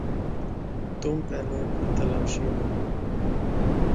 تم پہلے اپنی تلاشی دو